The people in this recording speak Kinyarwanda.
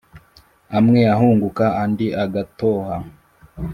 amwe ahunguka, andi agatoha;